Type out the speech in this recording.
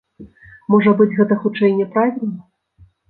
Можа быць, гэта хутчэй няправільна.